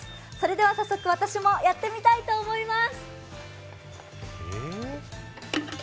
早速、私もやってみたいと思います。